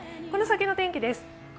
この先の天気です。